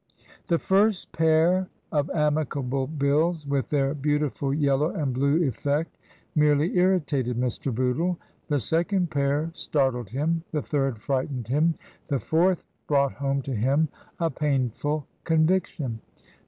The first pair of amicable bills with their beautiful Yellow and Blue effect merely irritated Mr. Bootle second pair startled him ; the third frightened him fourth brought home to him a painful conviction the the the 212 TRANSITION.